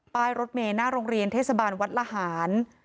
ป้ายรถเมย์หน้าโรงเรียนเทศบาลวัดละหาร